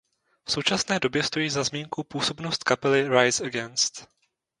V současné době stojí za zmínku působnost kapely Rise Against.